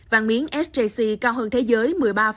vàng miếng sjc cao hơn thế giới